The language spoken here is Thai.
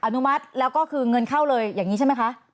อนุมัติแล้วก็คือเงินเข้าเลยอย่างนี้ใช่ไหมคะ